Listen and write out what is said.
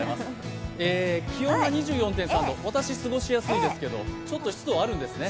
気温が２４．３度私、過ごしやすいですけどちょっと湿度はあるんですね。